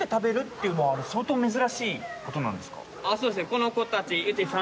この子たちうち。